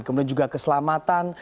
kemudian juga keselamatan